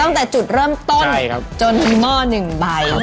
ตั้งแต่จุดเริ่มต้นจนถึงหม้อหนึ่งใบ